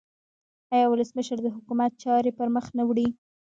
آیا ولسمشر د حکومت چارې پرمخ نه وړي؟